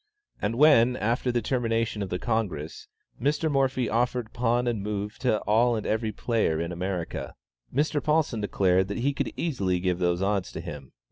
And when, after the termination of the Congress, Mr. Morphy offered Pawn and Move to all and every player in America, Mr. Paulsen declared that he could easily give those odds to him.